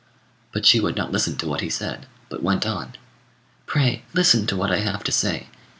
But she would not listen to what he said, but went on "Pray listen to what I have to say.